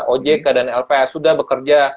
ojk dan lps sudah bekerja